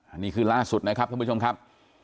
อันนี้คือล่าสุดนะครับท่านผู้ชมครับ